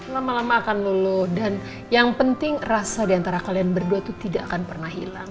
lama lama akan luluh dan yang penting rasa diantara kalian berdua itu tidak akan pernah hilang